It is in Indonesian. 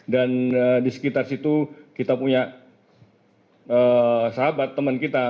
dan di sekitar situ kita punya sahabat teman kita